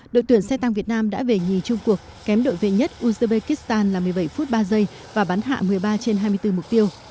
đội tuyển xe tăng việt nam đã về nhì chung cuộc kém đội vệ nhất uzbekistan là một mươi bảy phút ba giây và bắn hạ một mươi ba trên hai mươi bốn mục tiêu